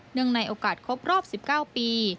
เนื่องในโอกาสครบรอบ๑๙ปี